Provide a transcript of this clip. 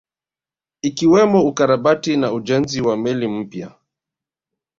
Ikiwemo ukarabati na ujenzi wa meli mpya